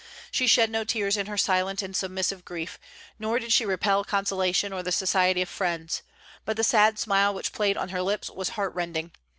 She shed no tears in her silent and submissive grief, nor did she repel consolation or the society of friends, "but the sad smile which played on her lips was heart rending....